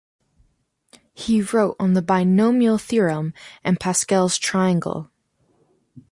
He wrote on the binomial theorem and Pascal's triangle.